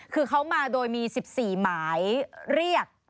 คือเขามาโดยมี๑๔หมายเรียก